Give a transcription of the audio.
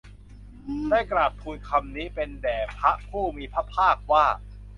ได้กราบทูลคำนี้แด่พระผู้มีพระภาคว่า